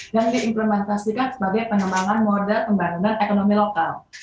yang diimplementasikan sebagai pengembangan moda pembangunan ekonomi lokal